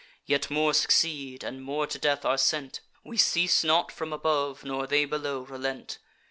Yet more succeed, and more to death are sent; We cease not from above, nor they below relent.